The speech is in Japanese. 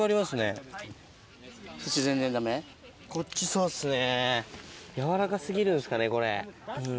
こっちそうっすね。